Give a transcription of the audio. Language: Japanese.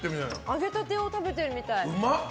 揚げたてを食べてるみたい。